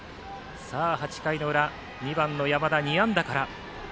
８回の裏、２番の山田２安打から。